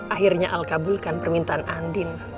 akhirnya alka bulkan permintaan andin